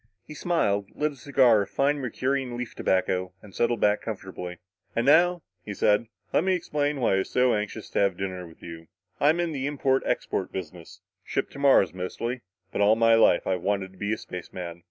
He smiled, lit a cigar of fine Mercurian leaf tobacco and settled back comfortably. "And now," he said, "let me explain why I was so anxious to have dinner with you. I'm in the import export business. Ship to Mars, mostly. But all my life I've wanted to be a spaceman."